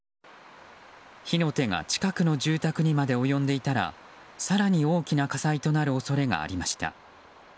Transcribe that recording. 火の手が近くの住宅にまで及んでいたら更に大きな火災となる恐れがありました。